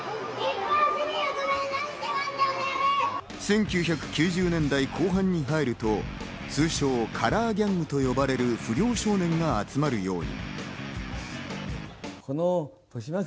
１９９０年代後半になると、通称・カラーギャングと呼ばれる不良少年が集まるように。